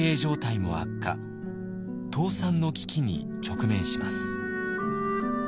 倒産の危機に直面します。